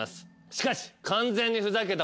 しかし。